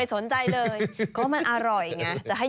สนใจเลยเพราะมันอร่อยไง